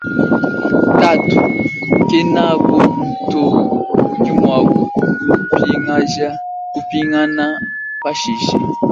Tatu kenaku to udi muakupingana pashishe.